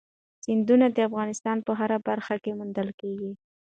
سیندونه د افغانستان په هره برخه کې موندل کېږي.